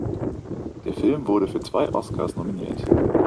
Der Film wurde für zwei Oscars nominiert.